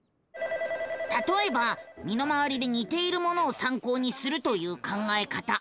たとえば身の回りでにているものをさんこうにするという考え方。